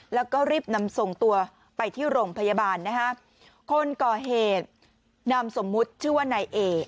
แล้วก็รีบนำส่งตัวไปที่โรงพยาบาลนะฮะคนก่อเหตุนามสมมุติชื่อว่านายเอ